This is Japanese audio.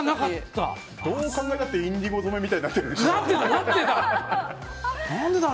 どう考えたってインディゴ染めみたいになってた！